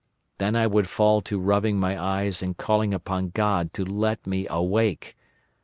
Then I would fall to rubbing my eyes and calling upon God to let me awake.